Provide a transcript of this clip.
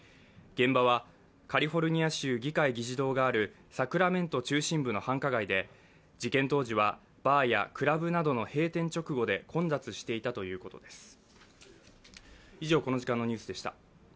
現場はカリフォルニア州議会議事堂があるサクラメント中心部の繁華街で事件当時はバーやクラブなどの閉店直後で混雑していたということです。